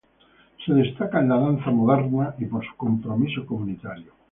Se destaca en la danza moderna y por su compromiso comunitario.